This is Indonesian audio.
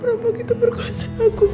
berapa kita berkuasa agung